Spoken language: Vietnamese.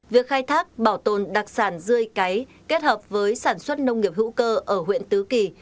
việc khai thác bảo tồn đặc sản rươi cái kết hợp với sản xuất nông nghiệp hữu cơ ở huyện tứ kỳ